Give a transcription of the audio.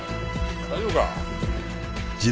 大丈夫か？